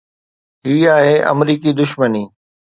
هي آهي آمريڪن دشمني.